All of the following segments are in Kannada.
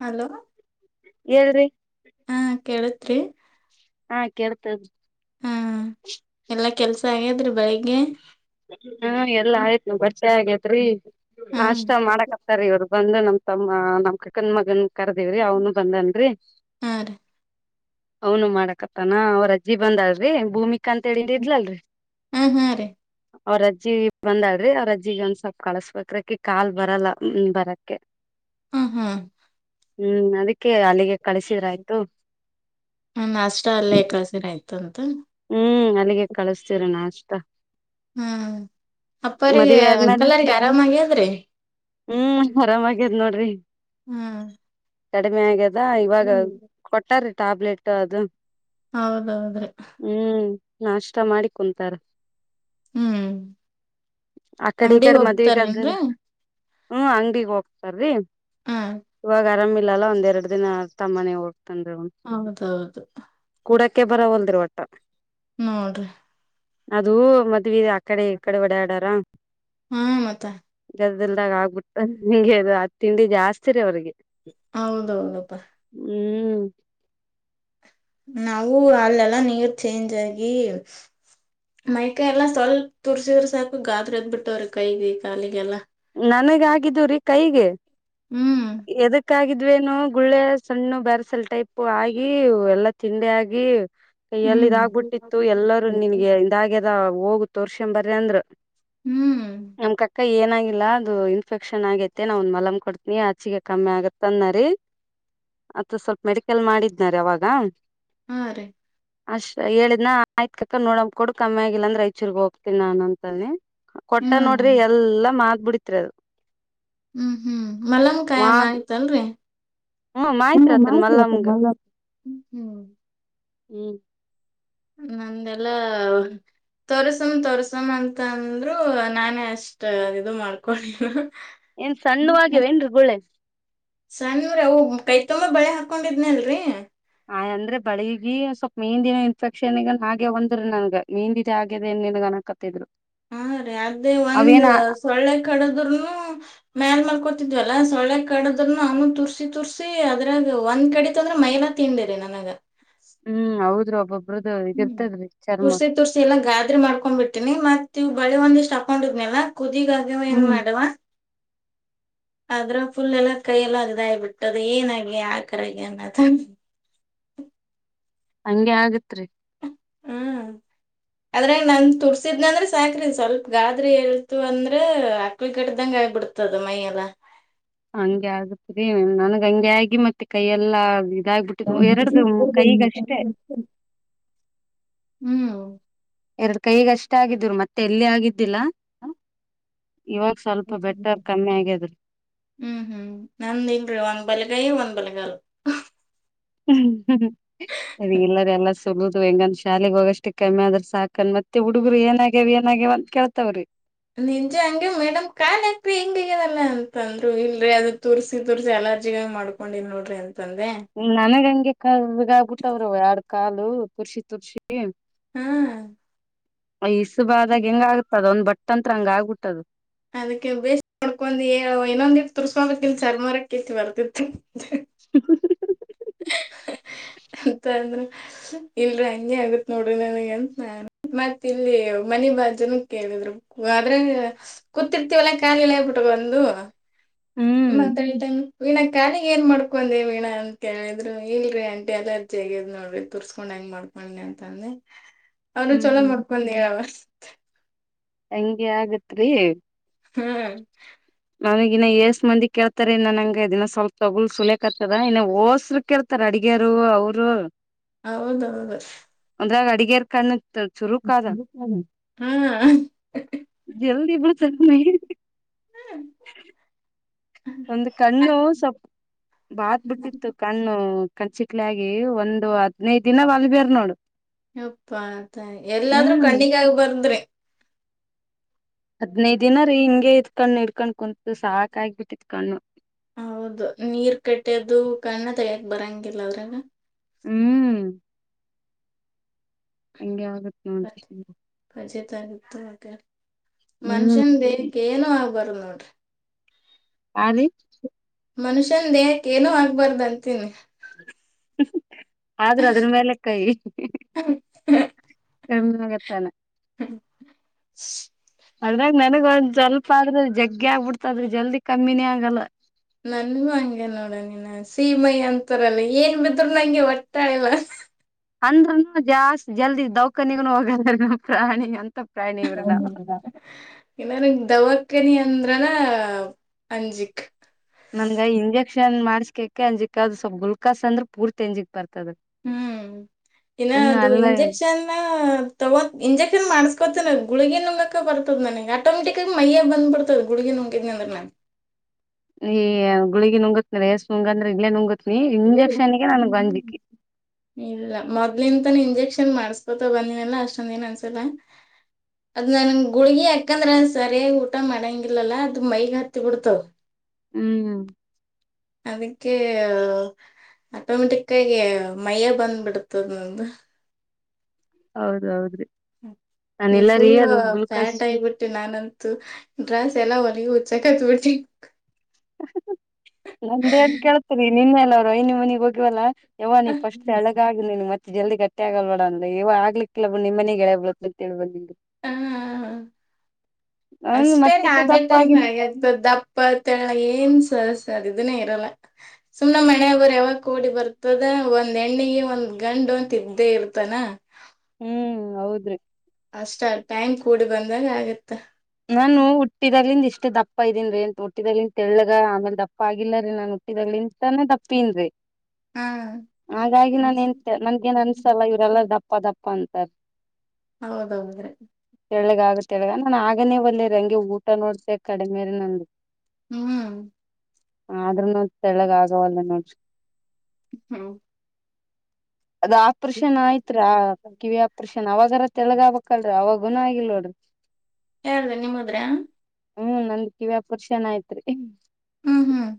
ಹಲೋ ಹೇಳಏ್ರಿ ಹಾ ಕೇೇಳತ್ರಿ ಹಾ ಕೇಳ್ತದ ಎಲ್ಲ ಕೆಲ್ಸ ಆ್ರೆ ಹ್ಮ ಎಲ್ಲ ಆಯ್ತು ಬರ್ಚೆ ಆಗ ತ್ರೀ ಹಾ ಅಷ್ಟ ಮಾಡಕ್ತಾರ ಇವ್ರ ಬಂದ ನಮ ತಮ್ಮ ನಮ್ ಕಕ್ಕನ್ ಮಗನ್ ಕರದೇವ್ರಿ ಅವ್ನು ಬಂದನ್ರರಿ ಹಾ ರೀ ಅವನು ಮಾಡಕತ್ತಾನ ಅವರ ಅಜ್ಜಿ ಬಂದ ಆದ್ರಿ ಭೂಮಿ ಕಂತ ಹೇಳಿದಿದ ಇದ್ಲಲ್ರರಿ ಹಾ ಹಾ ರೀ ಅವ್ರಜ್ಜಿ ಬಂದಾಡ್ರಿ ಅವ್ರ ಅಜ್ಜಿಗೆ ಒಂದ್ ಸ್ವಲ್ಪ್ ಕಳಸ್ಬೇಕ್ರಕಿ ಕಾಲ್ ಬರಲ್ಲ ಬರಕ್ಕೆ ಹ್ಮ ಹ್ಮ್ ಹ್ಮ್ ಅದಕ್ಕೆ ಕ ಅಲ್ಲಿಗೆ ಕಳಿಸಿದ್ರಾಯಯ್ತು ತಂತ ಹ್ಮ್ ಅಲ್ಲಿಗೆ ಕಳಸ್ತೀರ ನಾ ಅಷ್ಟ ಹ್ಮ್ ಅಪ್ಪ್ರಿಗೆ ಆದ್ಮೇಲೆ ಅಂಕಲ್ಾರಿಗೆ ಆರಾಮಾಗ ಅಂದೆ ಹ್ಮ್ ಆರಾಮಾಗ್ಯದ್ ನೋಡ್ರಿ ಹ್ಮ್ ಕಡಿಮೆ ಆಗ್ಯ ಅದಾ ಇವಾಗ ಕೊಟ್ಟಾರ ಟ್ಯಾಬ್ಲೆಟ್ ಅದು ಹೌದೌದ್ರಿ ಹ್ಮ್ ನಾಷ್ಟ ಮಾಡಿ ಕುಂತಾರ ಹ್ಮ್ ಆ ಕಡೆ ಈ ಅಂಗಡಿ ಕಡೆ ಮದ್ವಿಗ ಒಬ್ತಾರೇಏನ್ರ ಅದಲ್ಲ ಹ್ಮ್ ಅಂಗಡಿಗ್ ಹೋಗ್ತಾರರಿ ಇವಾಗ ಆರಾಮ್ ಇಲ್ಲ ಒಂದೆರಡು ದಿನ ತಮ್ಮನೆ [unintelligible] ಹೌದೌದು ಕೂಡಕ್ಕೆ ಬರವಲ್ದಿ ಒಟ್ಟ ನೋಡ್ರಿ ಅದು ಮದುವೆ [unintelligible] ಕಡೆ ಕಡೆ ಒಡ ಆಡಾರ ಹಾ ಮತ್ತ ಅಲ್ದಾಗ ಆಗ್ಬಿಟ್ಟ ಹಿಂಗೆ ಅದು ತಿಂಡಿ ಜಾಸ್ತಿ ರೀ ಅವ್ರಿಗೆ ಹೌದೌದಪ್ಪ ಹ್ಮ್ ನಾವವು ಅಲ್ಲೆಲ್ಲಾ ನೀರ್ ಚೇಂಜ್ ಆಗಿ ಮೈಕೈ ಎಲ್ಲ ಸ್ವಲ್ಪ ತುರ್ಸಿರ್ಸಾಕು ಗಾದ್ರ ಎದ್ ಬಿಟ್ಟವ್ರಿ ಕೈಗೆ ಕಾಲಿಗೆಲ್ಲಾ ನನಗಗಿದ್ದುರೀ ಕೈಗೆ ಹ್ಮ್ ಎದಕ್ಕಾಗಿದ ಮದ್ವೇನು ಗುಳ್ಳೆ ಸಣ್ಣು ಬರೆಸಲ್ ಟೈಪ್ ಆಗಿ ಎಲ್ಲಾ ತಿಂಡಿ ಆಗಿ ಕೈಯಲ್ಲಿ ಹ್ಮ್ ಇದಾಗಬಿಟ್ಟಿತ್ತು ಎಲ್ಲರೂ ನಿನ್ಗೆ ಇದಾಗ್ಯದ ಹೋಗು ತೋರ್ಷ ಬರ ಅಂದ್ರ ಹ್ಮ್ ನಮ್ ಕಕ್ಕ ಏನ ಇಲ್ಲ ಅದು ಇನ್ಫೆಕ್ಷನ್ ಆಗೇತೆ ನಾವ ಒಂದ್ ಮಲಮ್ ಕೊಡ್ತನಿ ಆಚಿಗೆ ಕಮ್ಮಿ ಆಗತ್ತ ಅನ್ರಿ ಅತ್ ಸ್ವಲ್ಪ ಮೆಡಿಕಲ್ ಮಾಡಿದ್ನಾರಿ ಅವಾಗ ಹಾ ರೀ ಅಷ್ಟ್ ಹೇಳಿದ್ನ ಆಯ್ ಕಕ ನೋಡಂಬ ಕೊಡು ಕಮ್ಮಿ ಆಗಿಲ್ಲ ಅಂದ್ರೆ ಐಚೂರ್ಗ್ ಹೋಗ್ತೀನಿ ನಾನ ಅಂತಾನನೆ ಕೊಟ್ಟ ಹ್ಮ್ ನೋಡ್ರಿ ಎಲ್ಲಾ ಮಾತ್ ಬಿಡತ್ರರದು ಹ್ಮ್ ಹ್ಮ್ ಮಲನ್ ಕಾಯ ಆಯ್ತಲ್ರಿ ಹ್ಮ ಹಮ್ಮ ಮಾಯ್ತ್ರಿ ಆತನ್ ಮಾಹತಿ ಅತ ಮಲ್ಲಮ್ಗ ಮಲ್ಲ ಹ್ಮ ಹ್ಮ್ ನಂದೆಲ್ಲಾ ತೋಸಮ ತೋರ್ಸಮ ಅಂತ ಅಂದ್ರರು ನಾನೇ ಅಷ್ಟ ಇದು ಮಾಡ್ಕೊಂಡಿಲ್ಲ ಏನ್ ಸಣ್ಣವೇವ ಏನ್ ಗುಳೆ ಸಣ್ಣವೇ ಅವು ಕೈತೊಂಬ ಬಳೆ ಹಾಕೊಂಡಿದ್ನಿ ಅಲ್ರರಿ ಆ ಅಂದ್ರೆ ಬೆಳಿಗಿ ಸ್ವಲ್ಪ್ ಮೀಂದಿ ಇನ್ಫೆಕ್ಷನ್ಗನ್ ಹಾಗೆ ಒಂದ್ರಿ ನನ್ಗ ಮೀಿಂದಿದೆ ಆಗ್ಯದ ನ್ನ್ ಅನಕತ್ತಿದ್ರು ಹಾ ರೀ ಅದೇ ಒಂದ್ ಅವೇನ ಸೊಳ್ಳೆ ಕಡದ್ರನು ಮ್ಯಲ್ ಮಲ್ ಕೋತಿದ್ವಲ್ಲ ಸೊಳ್ಳೆ ಕಡದ್ನು ಅವನು ತುರ್ಸಿ ತುರ್ಸಿ ಅದ್ರಾಗ ಒಂದ್ ಕಡಿತ ಅಂದ್ರೆ ಮೈಲಾ ತಿಂಡಿರಿ ನನಗ ಹ್ಮ್ ಹೌದ್ರು ಒಬ್ಬಬ್ ಹ್ಮ್ ತುರ್ಸಿ ತುರ್ಸಿ ಎಲ್ಲಾ ಗಾದ್ರಿ ಮಾಡ್ಕೊಂಡ್ ಬಿಡ್ತೀನಿ ಮತ್ ತಿ ಬಳಿ ಒಂದಿಷ್ಟು ಅಕೌಂಟ್ ಇದ್ನೆನಾ? ಕುದಗಾಗ್ಯವ ಏನ್ ಹ್ಮ್ ಮಾಡವಾ? ಅದ್ರ ಫುಲ್ ಎಲ್ಲಾ ಕೈಯೆಲ್ಲ ಅಯ ಬಿಟ್ಟದ ಏನಾಗಿ ಆ ಕರೆಗೆ ಅನ್ನದ ಹಂಗೆ ಆಗತ್ರಿ. ಹ್ಮ್ ಅದ್ರಂಗ ನನ್ ತುರ್ಸಿದ್ನಂದ್ರೆ ಸಾಕ್ರ ಸ್ವಲ್ಪ ಗಾಬ್ರಿ ಎಲ್ತು ಅಂದ್ರ ಅಕ್ಳಗಟ್ಟ್ದಂಗ ಆಗಬಿಡ್ತದ ಮೈಯೆಲ್ಲ. ಹಂಗೆ ಆಗತ್ರಿ ನನ್ಗ ಹಂಗೆ ಆಗಿ ಮತ್ತೆ ಕೈಯ ಎಲ್ಲಾ ಆಗ ಹ್ಮ ಹೌದು [unintelligible] ಎರ ಕೈಗ ಅಷ್ಟ ಆಗಿದ್ರು ಮತ್ತೆ ಎಲ್ಲಿ ಆಗಿ ಸ್ವಲ್ಪ ಬೆಟರ್ ಕಮ್ಮಿ ಆಗ್ಯದ್ರಿ ಹ್ಮ್ ಹ್ಮ್ ನಂದಲ್ರಿ ಒಂದ್ ಬಲ್ಗೈ, ಒಂದ್ ಬಲ್ ಲ್ ಅರಿ ಇಲ್ಲರಿ, ಎಲ್ಲಾ ಸಲದು ಹೆಂಗಂದ ಶಾಲೆಗೆ ಶಾಲೆಗೆ ಹೋಗಷ್ಟೆ ಕಮ್ಮಿ ಆದ್ರ ಸಾಕನ್ ಮತ್ತೆ ಹುಡುಗರು ಏನಾಗ್ಯವ್ ಏನಗ್ಯವ ಅಂತ ಕೇಳ್ತವ್ರೀ. ನಿಜ ಹಂಗೆ ಮೇಡಮ್ ಕಾಲ ಆಕ್ರಿ ಹಿಂಗಗದಲ್ಲ ಅಂತ ಅಂದ್ರು ಇಲ್ರಿ, ಅದ ತುರ್ಸಿ ತುರ್ಸಿ ಅಲರ್ಜಿಗ ಮಾಡ್ಕೊಂಡಿನ್ ನೋಡ್ರಿ ಅಂತ. ನನಗಂಗೆ ಕರ್ಗ್ ಆಗ್ತವ್ರಿ ಆವ್ ಕಾಲು ತುರ್ಷಿ ತುರ್ಸಿ. ಹ್ಮ್ ಇಸು ಬ ಆದಾಗ ಹೆಂಗ ಆಗತದ ಒಂದ್ ಬಟ್ ತಂತ್ರ ಹಂಗ ಆಗ್ಬಿಟ್ಟದ. ಅದಕ್ಕೆ ಬೇಸ್ ನೋಡ್ಕೊ ಹೆಳವ ಇನ್ನೊಂದಿಟ್ಟು ತುರ್ಸ್ಕೋಬೇಕಕ್ಲ್ ಚರ್ಮಾರ ಕೀತ್ ಬರ್ತಿತ್ತು. [inaudible] ಅಂತ ಅಂದ್ರ ಇಲ್ರಿ ಹಂಗೆ ಆಗತ್ ನೋಡ್ರಿ ನನಗ್ ಅಂತ್ ನಾನು ಮತ್ ಇಲ್ಲಿ ಮನಿ ಬಾಜುನು ಕೇಳಿದ್ರು ಆದ್ರೆ ಕೂತಿರ್ತಿವಲ್ಲಾ ಕಾಲ್ ಇಳೆ ಬಿಟ್ಕಂಡು. ಹ್ಮ್ ಮಾತಾಡಿದ್ ವೀಣಾ ಕಾಲಿಗೆ ಏನ್ ಮಾಡ್ಕೊಂಡೆ ವೀಣಾ? ಕೇಳಿದ್ರು ಇಲ್ರಿ ಆಂಟಿ ಅಲರ್ಜಿ ಆಗೆದ್ ನೋಡ್ರಿ ತುರ್ಸ್ಕೊಂಡ್ ಹೆಂಗ್ ಮಾಡ್ಕೊಂಡ ಅಂತ ಅಂದೆ. ಅವರು ಚೊಲೋ ಹ್ಮ್ ಮುಡ್ಕೊಂಡಿ ಹೇಳವ್ವ. ಹಂಗೆ ಆಗತ್ರಿ ಹ್ಮ್ ನನಗ್ ಇನ ಏಸ್ ಮಂದಿ ಕೇಳ್ತಾರೆ ನನಂಗ ಆಗ್ಯದ ಇನ್ ಸ್ವಲ್ಪ ತೋಗುಲ್ ಸುಳ್ಯ ಕತ್ತದ ಇನ ಹೋಸ್ರು ಕೇಳ್ತಾರ ಅಡಿಗ್ಯರು ಅವರು. ಹೌದ ಹೌದು. ಅಂದ್ರಾಗ ಅಡಿಗ್ಯರ ಕಣ್ ಹಾ ಜಲ್ದಿ ಬೀಳ್ತದ ಮೈಗೆ ಒಂದು ಕಣ್ಣು ಸ್ವಲ್ ಬಾತ್ ಬಿಟ್ಟಿತ್ತು, ಕಣ್ಣು ಕಣ್ಚಿಕ್ಲಿ ಆಗಿ ಒಂದು ಹದ್ನೈದ ದಿನ ವಗ್ದರ ನೋಡಿ. ಅಪ್ಪ ಆತ ಎಲ್ಲಾದ್ರೂ ಕಣ್ಣಿಗಾಗ ಬಂದ್ರಿ. ಹದ್ನೈದು ದಿನ ರೀ ಹಿಂಗೆ ಇಡ್ಕೊಂಡು ಕುಂತು ಸಾಕ ಆಬಿಟ್ಟಿತ್ತು ಕಣ್ಣು. ಹೌದು ನೀರ್ ಕಟ್ಟಿದ್ದು ಕಣ್ಣ ತಗ್ಯಕ ಬರಂಗಿಲ್ಲ ಅದ್ರಾಗ. ಹ್ಮ್ ಹೆಂಗೆ ಆಗುತ್ತೆ. ಬತ್ವಿ. ರಜೆ ತರಿತು. [unintelligible] ಹ್ಮ್ ಮನ್ಶುನ್ ದೆ ಕೆನು ಆಗ್ಬರ್ದು ನೋಡ್ರಿ. ಆರಿ ಮನುಷ್ಯನ್ ದೇಹಕ್ ಏನು ಆಗ್ಬಾರ್ದ್ ಅಂತೀನಿ. ಆದ್ರೂ ಅದ್ರ ಮೇಲೆ ಕೈ. ಕಮಿಯಾಗತ್ತಾನ. ಹ್ಮ್ ಸ್. ಅದ್ರಾಗ್ ನನ್ಗ ಒಂದ್ ಸ್ವಲ್ಪ ಅದ್ರು ಜಗ್ಗಗಿ ಆಗ್ಬಿಡ್ತದ್ರಿ ಜಲ್ದಿ ಕಮ್ಮಿನೇ ಆಗಲ್ಲ. ನನ್ಗೂ ಹಂಗೆ ನೋಡ ನೀನಾ ಹಸೀಮೈ ಅಂತರಲ್ಲ ಏನ್ ಬಿದ್ರು ನಂಗೆ ಒಟ್ಟಗಿಲ್ಲ. ಅಂದ್ರೂನು ಜಾಸ್ತಿ ಜಲ್ದಿ ದೌಕ್ನೀಗು ಹೋಗಲ್ಲ ರಿ ನಮ್ಮ್ ಪ್ರಾಣಿ ಅಂತ್ ಹ ಇನ್ನರ ದವಾಕ್ಕನೀ ಅಂದ್ರನ ಅಂಜಿಕ್. ನನ್ಗ ಇಂಜೆಕ್ಷನ್ ಮಾಡ್ಸ್ಕಕ ಅಂಜಿಕ್ಕ ಅದು ಸ್ವಲ್ ಗುಲ್ಕ್ಲಾಸ್ ಅಂದ್ರೆ ಪೂರ್ತಿ ಅಂಜಿಕ್ ಬರ್ತದ ಹ್ಮ್ ಇನ್ನ ಹ್ಮ್ ಅದು ಅಲ್ಲ ಇಂಜೆಕ್ಷನ್ ತಗೋ ಇಂಜೆಕ್ಷನ್ ಮಾಡಸ್ಕೊತೇನ. ಗುಳ್ಗಿ ನುಂಗಕ ಬರ್ತದ್ ನನ್ಗ ಆಟೋಮೆಟಿಕಾಗಿ ಮೈಯಗ್ ಬಂದ್ಬರ್ತದ ಗುಳ್ಗಿ ನುಂಗಿದ್ನ ಅಂದ್ರ ನಾನ್. ಏ ಗುಳ್ಗಿ ನುಂಗುತ್ರ ಎಸ್ ನಂಗಂದ್ರೆ ಏನ್ ನುಂಗತ್. ಇಲ್ಲ ಮೊದ್ಲಿಂದ್. ಇಂಜೆಕ್ಷನ್ ಮಾಡ್ಸ್ಕೊತ ಬಂದಿನಲ್ಲ ಅಷ್ಟೊಂದ ದಿನ ಅನ್ಸಲ ಅದ್ ನನ್ ಗುಳ್ಗಿ ಹಾಕಂದ್ರ ಸರಿಯಾಗಿ ಊಟ ಮಾಡಂಗಿಲ್ಲಲ್ಲ ಅದ್ ಮೈಗ ಹತ್ತಿ ಬಿಡ್ತಾದ್. ಹ್ಮ್ ಅದಕ್ಕೆ ಆಟೋಮೆಟಿಕ್ ಆಗಿ ಮೈಯ ಬಂದ್ಬಿಡ್ತದ ನಂದ್. ಹೌದು ಹೌದ್ರಿ. ನೀವ್ ಫುಲ್ ಗ್ಲುೂಕೋಸ್ ಫ್ಯಾಟ್ ಆಗಬಿಟ್ಟೆ ನಾನಂತು ಡ್ರಸ್ ಎಲ್ಲ ಹೊಲ್ಗಿ ಸಕತ್ ಬುಟಿಕ್. ನಂದ ಏನ್ ಕೇಳ್ತರಿ ನಿನ್ನ ಅವ್ರ್ ವೈನಿ ಮನೆಗ್ ಹೋಗಿವವಲ್ಲ. ಯಾವ ನೀ ಫಸ್ಟ್ ತೆಳಗಾಗು ನೀನ್ ಮತ್ತೆ ಜಲ್ದಿ ಕಟ್ ಟ ಆಗಲ್ ಬಿಡ ಅ ಇವ ಆಗ್ಲಿಕಿಲ್ಲ ನಿಮ್ಮನೆ ಗೆಳ ಬಳ ಅಂತೇಳ್ ಬನ್ನಿ. ಹಾ ನಂಗ್ ಅಷ್ಟೇ ಮತ್ತಿಟ್ಟ ನಾಗೇ ದಪ್ಪ ಟೈಮ್ ಆಗಿನ ಆಗೇತ್ ದಪ್ಪ ತೆಳಗೆ ಏನ್ ಸ ಸ ಅದ ಇದನ್ನೇ ಇರಲ್ಲ ಸುಮ್ ಮಣೆಯರ್ ಯಾವಾಗ್ ಓಡಿ ಬರ್ತದ ಒಂದ್ ಎಣ್ಣೆಗೆ ಒಂದ್ ಗಂಡು ಅಂತ ಇದ್ದೇ ಇರ್ತಾನ. ಹ್ಮ್ ಹೌದ್ರಿ. ಅಷ್ಟ ಟೈಮ್ ಕೂಡಿ ಬಂದಾಗ ಆಗುತ್ತ. ನಾನು ಹುಟ್ಟಿದಾಗಲಿಂದ್ ಇಷ್ಟ್ ದಪ್ಪ ಇದೀನ್ರಿ ಹುಟ್ಟಿದಗ್ಲಿಂದ ತೆಳ್ಳಗ ಆಮೇಲ್ ದಪ್ಪ ಆಗಿಲ್ಲರೀ ನಾನ್ ಹುಟ್ಟಿದಾಗ್ಲಿಂದಾನ ದಪ್ಪೀನ್ರೀ. ಹಾ ಹಾಗಾಗಿ ನನ್ಗ ಏನ್ ನನ್ಗೇನ್ ಅನ್ಸಲ್ಲ ಇವ್ರೆಲ್ಲ ದಪ್ಪ ದಪ್ಪ ಪ್ಪಂತ. ಹೌದೌದ್ರಿ. ತೆಳ್ಗಗ್ ತೆಳ್ಗ ನಾ ಅದ್ ಈಗನೇ ಒಳ್ಳೆ ರಂಗೆ ಊಟ ನೋಡ್ತೆ ಕಡೆಮೆರಿ ನಂದು. ಹ್ಮ್ ಆದ್ರೂನು ತೆಳ್ಳಗ ಆಗವಲ್ಲ ನೋಡ್ರಿ ಹ್ಮ ಅದ ಆಪ್ರೇಷನ್ ಆಯ್ತ್ರತ್ರಾ ಕಿವಿ ಆಪ್ರೇಷನ್ ಅವಾಗರ ತೆಳಗಬಕ್ಲ್ರೀ ಅವಾಗ ಗುನ ಆಗಿಲ್ ನೋಡ್ರಿ ಯಾರ್ದ ನಿಮ್ಮದ್ರೆ ಹ್ಮ್ ನಂದ ಕಿವ ವ್ಯಾಪುರ್ಷನ್ ಆಯತ್ರಿ ಹ್ಮ್ ಹ್ಮ್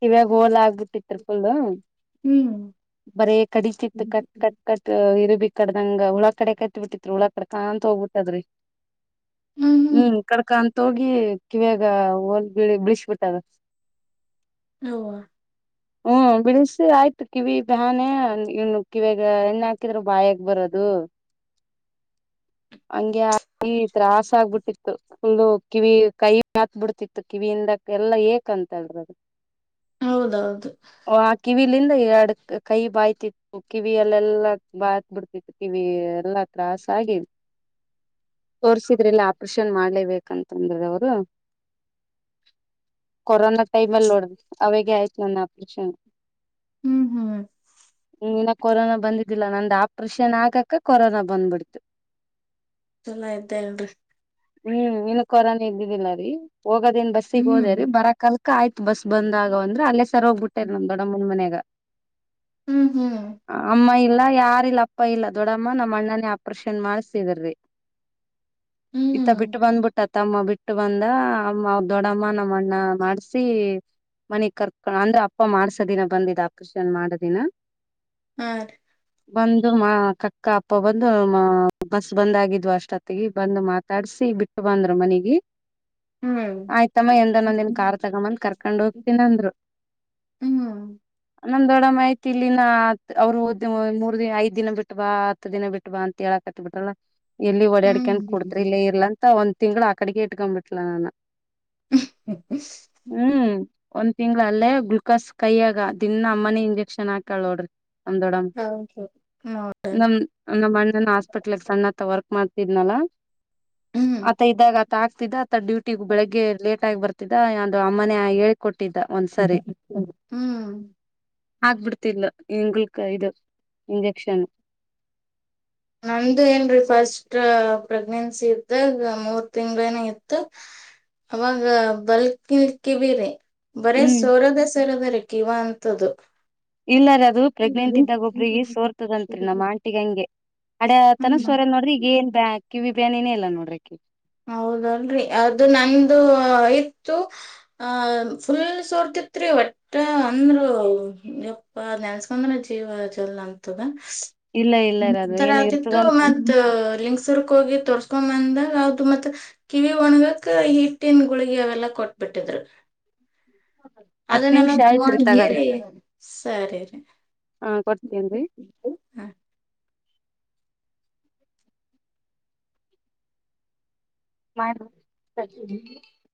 ಕಿತ್ವಾಗ ಹೋಲ್ ಆಗಿ ಫುಲ್ ಹ್ಮ್ ಬರೆ ಕಡತಿತ್ತು ಕಟ್ ಕಟ್ ಇರಬಿ ಈ ಕಡದಂಗ ಹ ಉುಳ ಕಡೆ ಕತ್ತತ್ ಬಿಟ್ಟಿತ್ರಿ ಹುಳ ಕಡೆ ಕಾಣಂತತ್ ಹೋಗ್ಬಿಟ್ಟದ್ರಿ ಹ್ಮ್ ಕಡ್ಕೋಂತ ತೋಗಿ ಕಿವ್ಯಾಗ ಹೋಲ್ ಬಿಳಿಸಬಿಟ್ಟದ ಹ ಹ್ಮ ಬಿಳಿಸಿ ಆಯ್ತು ಕಿವಿ ಬಾನೆ ಇನ್ನು ಕಿವಾಗ ಎಣ್ಣೆ ಹಾಕಿದ್ರರು ಬಾಯಾಗ ಬರದು ಹಂಗೆ ತ್ರಾಸ ಆಗ್ಬಿಟ್ಟಿತ್ತು ಫುಲ್ಲು ಕಿವಿ ಕೈ ಹತ್ ಬಿಿಡ್ತಿತ್ತು ಕಿವಿಯಿಂದ ಎಲ್ಲಾ ಏಕ್ಂತ ಹೇಳರದು ಹೌದೌದು ಇಲ್ಲಿಂದ ಎರಡು ಕೈ ಬಾಯ್ತಿತ್ತು ಕಿವಿಯಲ್ಲೆಲ್ಲಾ ಬಾತ್ ಬಿಡ್ತಿತ್ತು ಕಿವಿ ಎಲ್ಲಾ ತ್ರಾಸ ಆಗಿ ತೋರ್ಸಿದ್ರಲ್ಲ ಆಪರೇಷನ್ ಮಾಡ್ಲೇಬೇಕಂತಂದ್ರದ ಅವರು ಕೊರೋನಾ ಟೈಮ್ ಅಲ್ಲಿ ನೋಡ ಅವಾಗ ಆಯ್ತು ನನ್ನ ಆಪ್ರೇಷನ್ ಹ್ಮ್ ಹ್ಮ್ ನ್ನ ಕೊರೋನಾ ಬಂದಿದ್ದಿಲ್ಲ ನಂದ ಆಪ್ರೇಷನ್ ಆಗಕ ಕೊರೋನಾ ಬಂದ್ಬಿಡ್ತು ಚನ್ನ ಇದ್ದೇ ಅಲ್ರರಿ ಹ್ಮ್ ಇನ್ನು ಕೊರಾನ ಇದ್ದಿದ್ದಿಲ್ಲ ರೀ ಹೋಗೋದೇನ್ ಬಸ್ಸಿಗೆ ಹೋದ ರರಿ ಹ್ಮ್ ಬರ ಕ ಕಯತ್ ಬಸ್ ಬಂದಾಗ ಅಂದ್ರೆ ಅಲ್ಲೇ ಸರ್ ಹೋಗ್ಬಿಟ್ಟೇರ್ ನಮ್ ದೊಡ್ಡ ಮುಂದ್ ಮನ್ಯಾಗ ಹ್ಮ್ ಹ್ಮ್ ಇಲ್ಲಾ ಯಾರಿಲ್ಲ ಅಪ್ಪ ಇಲ್ಲ ದೊಡ್ಡಮ್ಮ ನಮ್ಮ್ ಅಣ್ಣನೇ ಆಪರೇಷನ್ ಮಾಡ್ಸಿದರಿ ಇತ್ತ ಹ್ಮ್ ಬಿಟ್ಟು ಬಂದ್ಬಿಟ್ಟತ್ತ ತಮ್ಮ ಬಿಟ್ಟು ಬಂದ ಅಮ್ಮ ಅವ ದೊಡ್ಡಮ್ಮ ನಮ್ಮಣ್ಣ ಮಾಡಸಿ ಮನೆಗ್ ಕರ್ಕ ಅಂದ್ರೆ ಅಪ್ಪ ಮಾಡ್ಸ ದಿನ ಬಂದಿದ್ದ ಆಪರೇಷನ್ ಮಾಡ ದಿನ ಆ ಬಂದು ಮಾ ಕಕ್ಕಪ್ಪ ಅ ಬಂದು ಬ ಬಂದ ಆಾಗಿದ್ು ಅಷ್ಟೊತ್ತಿಗೆ ಬಂದ್ ಮಾತಾಡ್ಸಿ ಬಿಟ್ಟು ಬಂದ್ರು ಮನಗೆ ಹ್ಮ್ ಆಯ್ತಮ್ಮ ಎಂದನೊಂದನ್ ಕಾರ್ ತಗೊಂಬಂದ ಕರ್ ಹ್ಮ್ ೊಂಡತಂದ್ ನಮ್ ದೊಡ ಮಾಹಿತಿ ಇಲ್ಲಿ ನ ಅವ್ರು ದ್ ಮೂರ್ ದಿನ ಐದ್ ದಿನ ಬಿಟ್ವಾ ಹತ್ತು ದಿನ ಬಿಟ್ವಾ ಅಂತ ಹೇಳಕತ್ಬಿಟ್ರಲ್ಲ ಎಲ್ಲಿ ಡಾಡಿಕನ್ ಹ್ಮ್ ಕುಡ್ತರಿ ಇಲ್ಲ ಇರ್ಲ್ಲ ಅಂತ ಒಂದ ತಿಂಗಳು ಅಡೆ ಕ ಎಟ್ಕೊ ಬಿಟ್ಲ ನಾನು ಹ್ಮ್ ಒಂದ್ ತಿಂಗ್ಳ ಅಲ್ಲೇ ಗ್ಲುಕೋಸ್ ಕೈಯಾಗ ದಿನ ಅಮ್ಮನೆ ಇಂಜೆಕ್ಷನ್ ಹಾಕಳ ನೋಡ್ರಿ. ನಮ್ ದೊಡ್ದಮ್ ಹೌದು ನಮ್ ನಮ್ಮ ಅಣ್ಣನ ಹಾಸ್ಪಿಟ್ಲ್ ಸಣ್ಣ ತವರ್ ಮಾಡ್ತಿದ್ನಲ್ಲ. ಹ್ಮ್ ಆತ ಇದಾಗ. ತಗ್ತಿದ. ತ ಡ್ಯೂಟಿಗ್ ಬೆಳಗ್ಗೆ ಲೇಟ್ ಟೈಗ್ ಬರ್ತಿದ್ದಾ ಯ ಅಮ್ಮನೆ ಯ ಹೇಳಿ ಕೊಟ್ [unintelligible] ಹ್ಮ್. ಆಗ್ಬಿಡ್ತಿಲ್ಲ ಇಂಗಲ್ಕ ಇದು ಇಂಜೆಕ್ಷನು. ನಂದು ಏನ್ರೀ ಫಸ್ಟ್ ಪ್ರೆಗ್ನೆನ್ಸಿ ಇದ್ದಾಗ ಮೂರ್ ತಿಂಗ್ಳೇನ ಇತ್ತ ಅವಾಗ ಬಲ್ಕ್ ಇಲ್ಕಿವಿರಿ. ಬರೇ ಹ್ಮ್ ಸೋರೋದ ಸೆರದರಿ. ಕಿವ ಅಂತದ್ದು. ಇಲ್ಲ ರೀ ಅದು ಪ್ರೆಗ್ನೆಂಟ್ ಇದ್ದಾಗ್ ಒಬ್ರಿಗಿ ಸೋರ್ತದಂತ್ರಿ ನಮ್ ಆಂಟಿಗ ಹಂಗೆ ಅಡ ತನ ಹ್ಮ್ ಸೋರ ನೋಡ್ರಿ ಈಗ ಏನ್ ಬ್ಯಾಕ್ ಕಿವಿ ಬ್ಯಾನಿನೇ ಇಲ್ಲ ನೋಡ್ರಿ. ಆಕಿಗ್ ಹೌದಲ್ರಿ ಅದು ನಂದು ಐ ಇತ್ತು ಆಹ ಫುಲ್ ಸೋರ್ತಿತ್ರಿ ಒಟ್ಟ ಅಂದ್ರ ಯಪ್ಪ ನೆನ್ಸ್ಕಂದ್ರ ಜೀವ ಜಲ್ ಅಂತದ. ಇಲ್ಲ ಇಲ್ಲ ರೀ ಅದು ನಂತರ ಏನ್ ಆತ್ತು ಇರ್ತದಂತ್ರಿ ಮತ್ತ ಲಿಂಗಸೂರ್ಕ್ ಹೋಗಿ ತೋರ್ಸ್ ಕೊಮಂದ ಆಬ್ ಮತ್ ಕಿವಿ ಒಣಗಕ ಹಿಟ್ಟಿನ ಗುಳಗಿ ಅವೆಲ್ಲಾ ಕೊಟ್ಬಿಟ್ಟಿದ್ರು. ಹತ್ ನಿಮಿಷ ಅದನ್ನೆಲ್ಲೊಂದ್ ಆಯ್ತ್ರಿ ತಗರಿ [unintelligible] ಸರಿರಿ ಹಾ ಕೊಡ್ತೇನ್ರಿ ಹ. ಮಾಡ್ ತಷೆರಿ.